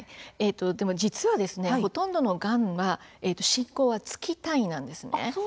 実は、ほとんどのがんは進行が月単位なんです。